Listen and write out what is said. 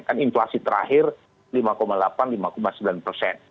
kan inflasi terakhir lima delapan lima sembilan persen